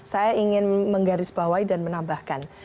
saya ingin menggarisbawahi dan menambahkan